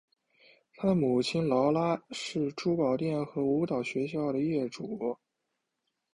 她的母亲劳拉是珠宝店和舞蹈学校的业主。